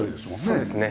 そうですね。